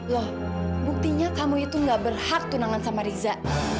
loh buktinya kamu itu gak berhak tunangan sama riza